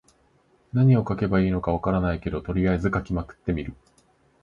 何を書けばいいのか分からないけど、とりあえず書きまくってみる。